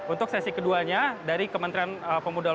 untuk sesi keduanya dari kementerian pemuda